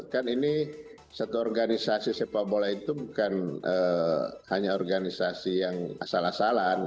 kan ini satu organisasi sepak bola itu bukan hanya organisasi yang asal asalan